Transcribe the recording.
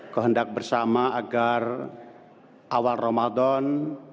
kehendak bersama agar awal ramadan